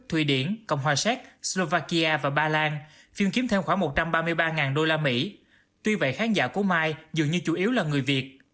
thụy điển cộng hòa séc slovakia và ba lan phim kiếm thêm khoảng một trăm ba mươi ba usd tuy vậy khán giả của mai dường như chủ yếu là người việt